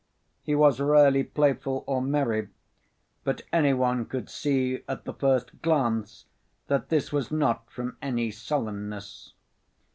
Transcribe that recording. He was rarely playful or merry, but any one could see at the first glance that this was not from any sullenness.